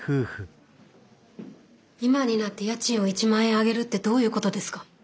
今になって家賃を１万円上げるってどういうことですか！